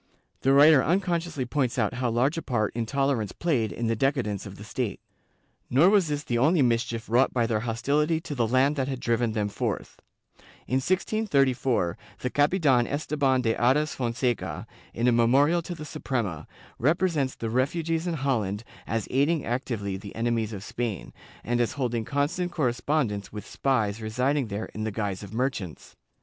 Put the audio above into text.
The writer unconsciously points out how large a part intolerance played in the decadence of the state. Nor was this the only mischief wrought by their hostility to the land that had driven them forth. In 1634, the Capitan Esteban de Ares Fonseca, in a memorial to the Suprema, represents the refugees in Holland as aiding actively the enemies of Spain, and as holding constant correspondence with spies residing there in the guise of merchants.